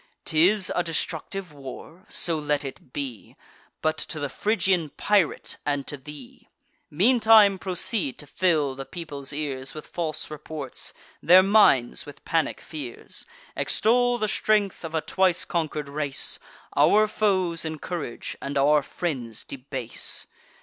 'Tis a destructive war? So let it be, But to the Phrygian pirate, and to thee! Meantime proceed to fill the people's ears With false reports, their minds with panic fears: Extol the strength of a twice conquer'd race; Our foes encourage, and our friends debase.